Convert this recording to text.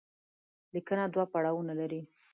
ليکنه دوه پړاوونه لري.